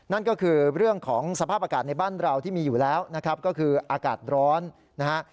นั่นก็คือเรื่องของสภาพอากาศในบ้านเราที่มีอยู่แล้วนะครับก็คืออากาศร้อนนะฮะ